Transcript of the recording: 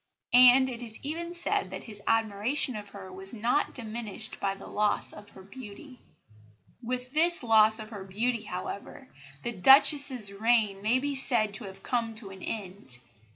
And it is even said that his admiration of her was not diminished by the loss of her beauty. With this loss of her beauty, however, the Duchess's reign may be said to have come to an end.